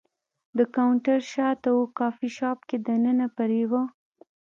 د کاونټر شاته و، کافي شاپ کې دننه پر یوه.